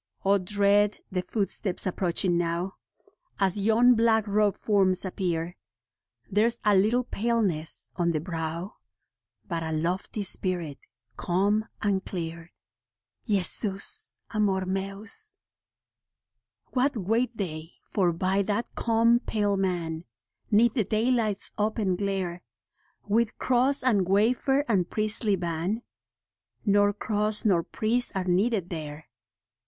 O, dread the footsteps approaching now, As yon black robed forms appear : There's a little paleness on the brow, But a lofty spirit, calm and clear. Jesus Amor Mens. What wait they for by that calm, pale man, 'Neath the daylight's open glare, With cross and wafer and priestly ban ? Nor cross nor priest are needed there.